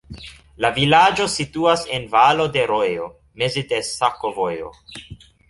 La vilaĝo situas en valo de rojo, meze de sakovojo.